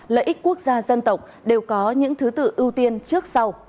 lợi ích quốc gia dân tộc đều có những thứ tự ưu tiên trước sau